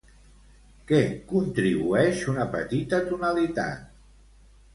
Què contribueix una petita tonalitat?